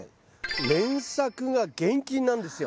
連作が厳禁なんですよ。